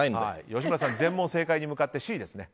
吉村さん、全問正解に向かってＣですね。